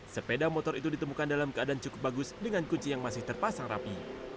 sepeda motor itu ditemukan dalam keadaan cukup bagus dengan kunci yang masih terpasang rapi